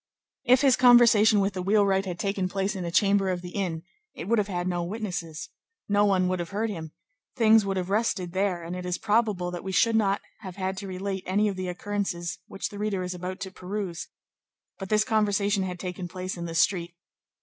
If his conversation with the wheelwright had taken place in a chamber of the inn, it would have had no witnesses, no one would have heard him, things would have rested there, and it is probable that we should not have had to relate any of the occurrences which the reader is about to peruse; but this conversation had taken place in the street.